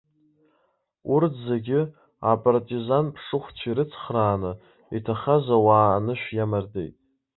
Урҭ зегьы, апартизанԥшыхәцәа ирыцхрааны, иҭахаз ауаа анышә иамардеит.